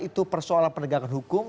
itu persoalan penegakan hukum